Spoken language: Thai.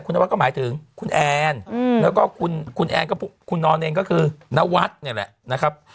คุณแอนแล้วก็คุณนอนเองก็คือณวัฒน์อย่างนี้แหละนะครับ